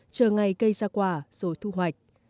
chờ ngày cây ra quả rồi thu hoạch